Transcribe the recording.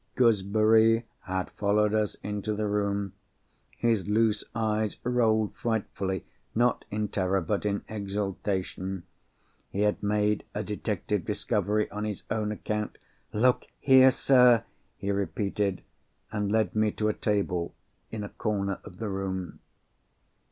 Gooseberry had followed us into the room. His loose eyes rolled frightfully—not in terror, but in exultation. He had made a detective discovery on his own account. "Look here, sir," he repeated—and led me to a table in the corner of the room.